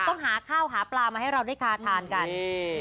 ต้องหาข้าวหาปลามาให้เราได้คาทานกันอืม